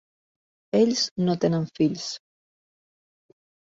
Ells no tenen fills.